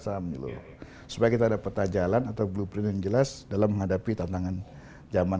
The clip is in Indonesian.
secara menyeluruh supaya kita ada peta jalan atau blueprint jelas dalam menghadapi tantangan zaman